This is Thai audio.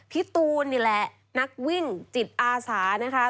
พี่ตูนนี่แหละนักวิ่งจิตอาสานะคะ